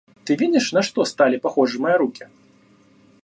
Ты видишь, на что стали похожи мои руки?